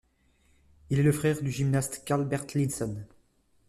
Il est le frère du gymnaste Carl Bertilsson.